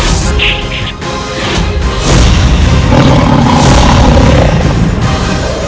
akhirnya aku menemukan